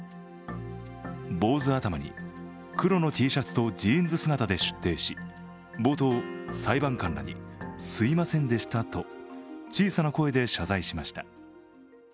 坊主頭に黒のＴシャツとジーンズ姿で出廷し、冒頭、裁判官らにすいませんでしたと小さな声で謝罪しました。